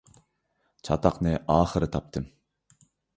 چاتاقنى ئاخىرى تاپتىم.